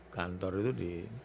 kantor itu di